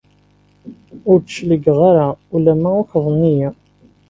Ur d-cligeɣ ara ula ma ukḍen-iyi.